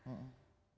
bagaimana kita melihat